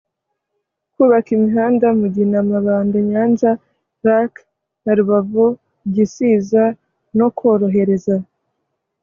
kubaka imihanda Mugina Mabanda Nyanza Lac na Rubavu Gisiza no korohereza